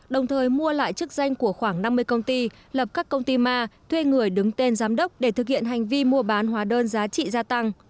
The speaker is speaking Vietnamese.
đồng thời mua lại chức danh của khoảng năm mươi công ty lập các công ty ma thuê người đứng tên giám đốc để thực hiện hành vi mua bán hóa đơn giá trị gia tăng